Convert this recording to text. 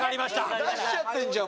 ・出しちゃってんじゃん